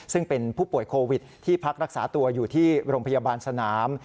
ซึ่งเป็นผู้ป่วยโควิดที่พักรักษาตัวอยู่ที่โรงพยาบาลสนาม